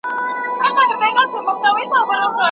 د بیان علم موږ له سمي او منطقي خبري کولو سره اشنا کوي.